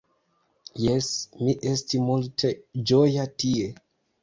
Jes, mi esti multe ĝoja tie.